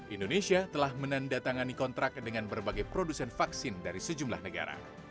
indonesia telah menandatangani kontrak dengan berbagai produsen vaksin dari sejumlah negara